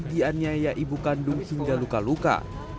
di anyaya ibu kandung hingga luka luka